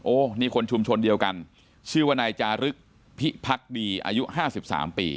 โอ้นี่คนชุมชนเดียวกันชื่อวนายจารึกพิพักดีอายุห้าสิบสามปี